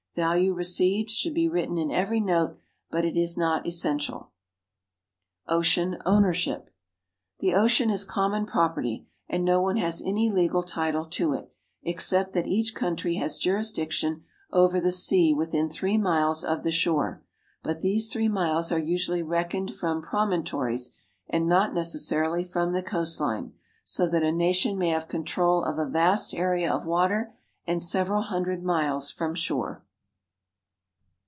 "Value received" should be written in every note, but it is not essential. =Ocean Ownership.= The ocean is common property, and no one has any legal title to it, except that each country has jurisdiction over the sea within three miles of the shore, but these three miles are usually reckoned from promontories, and not necessarily from the coast line, so that a nation may have control of a vast area of water and several hundred miles from shore.